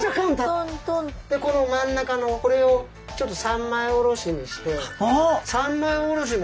この真ん中のこれをちょっと三枚おろしにして。